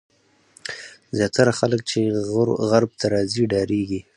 زیاتره خلک چې غرب ته راځي ډارېږي.